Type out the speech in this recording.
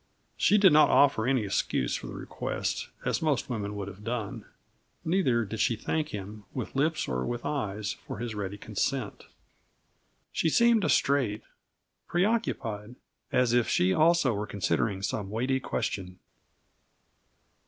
She did not offer any excuse for the request, as most women would have done. Neither did she thank him, with lips or with eyes, for his ready consent. She seemed distrait preoccupied, as if she, also, were considering some weighty question.